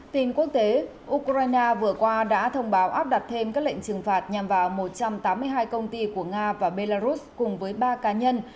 tin quốc tế ukraine vừa qua đã thông báo áp đặt thêm các lệnh trừng phạt nhằm vào một trăm tám mươi hai công ty của nga và belarus cùng với ba cá nhân